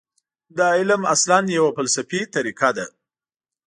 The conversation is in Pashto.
دا علم اصلاً یوه فلسفي طریقه ده.